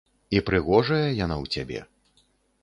І прыгожая яна ў цябе.